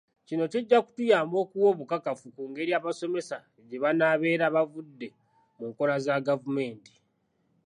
Kino kijja kutuyamba okuwa obukakafu ku ngeri abasomesa gye banaabeera bavudde ku nkola za gavumenti.